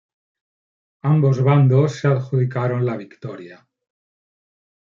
Ambos bandos se adjudicaron la victoria.